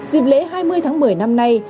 dịp lễ hai mươi tháng một mươi năm nay